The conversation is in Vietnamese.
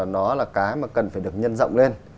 nó là cái mà cần phải được nhân rộng lên